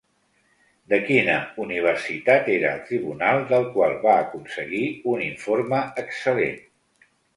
De quina Universitat era el tribunal del qual va aconseguir un informe excel·lent?